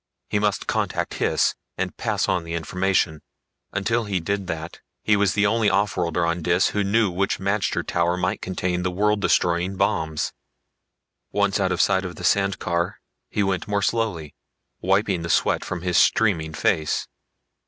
He must contact Hys and pass on the information. Until he did that, he was the only offworlder on Dis who knew which magter tower might contain the world destroying bombs. Once out of sight of the sand car he went more slowly, wiping the sweat from his streaming face.